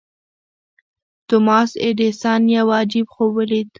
توماس ايډېسن يو عجيب خوب وليد.